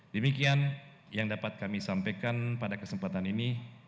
demikian yang dapat kami sampaikan pada kesempatan ini